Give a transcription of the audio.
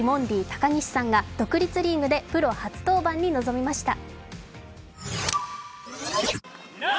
高岸さんが独立リーグでプロ初登板に臨みました。